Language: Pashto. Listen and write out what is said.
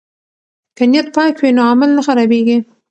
که نیت پاک وي نو عمل نه خرابیږي.